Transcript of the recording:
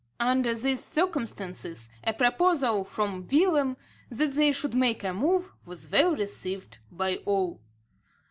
Under these circumstances, a proposal from Willem, that they should make a move, was well received by all.